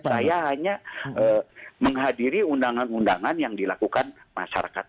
saya hanya menghadiri undangan undangan yang dilakukan masyarakat